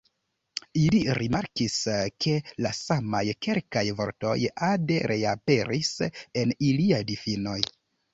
Ili rimarkis, ke la samaj kelkaj vortoj ade reaperis en iliaj difinoj.